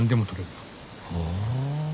うん。